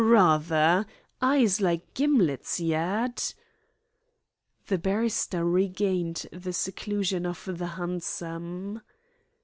Ra ther. Eyes like gimlets, 'e 'ad." The barrister regained the seclusion of the hansom.